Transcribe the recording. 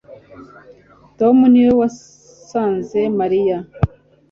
Tom niwe wasanze Mariya